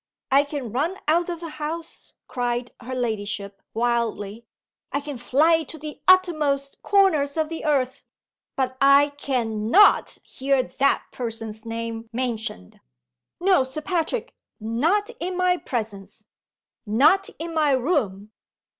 "I can run out of the house," cried her ladyship, wildly. "I can fly to the uttermost corners of the earth; but I can not hear that person's name mentioned! No, Sir Patrick! not in my presence! not in my room!